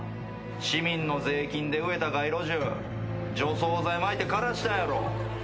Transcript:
市民の税金で植えた街路樹除草剤まいて枯らしたんやろ。